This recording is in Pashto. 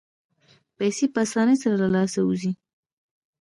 پیسې په اسانۍ سره له لاسه وځي.